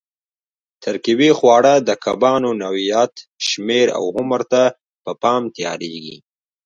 ترکیبي خواړه د کبانو نوعیت، شمېر او عمر ته په پام تیارېږي.